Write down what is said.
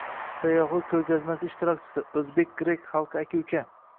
Sayyohlik ko’rgazmasi ishtirokchisi: “O’zbek-grek xalqi aka-uka”